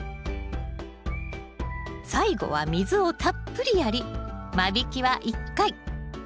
最後は水をたっぷりやり間引きは１回。